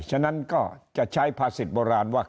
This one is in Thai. ฉะนั้นก็จะใช้ภาษิตโบราณว่า